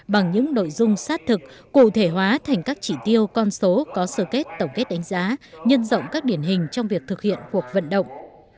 bằng những nội dung sát thực cụ thể hóa thành các chỉ tiêu con số có sơ kết tổng kết đánh giá nhân rộng các điển hình trong việc thực hiện cuộc vận động